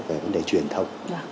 về vấn đề truyền thông